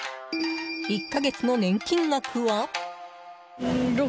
１か月の年金額は？